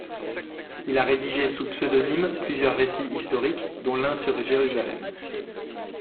Il a rédigé sous pseudonyme plusieurs récits historiques, dont l’un sur Jérusalem.